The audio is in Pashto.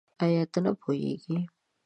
آيا ته نه پوهېږې؟